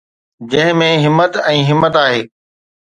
جنهن ۾ همت ۽ همت آهي.